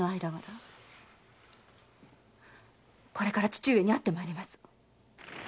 これから父上に会って参ります！